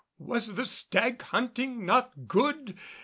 Was the stag hunting not good?